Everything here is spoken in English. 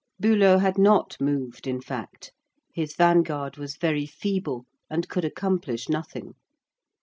Bülow had not moved, in fact. His vanguard was very feeble, and could accomplish nothing.